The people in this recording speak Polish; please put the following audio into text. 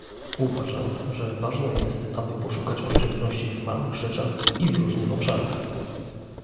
Uważam, że ważne jest, aby poszukiwać oszczędności w małych rzeczach i w różnych obszarach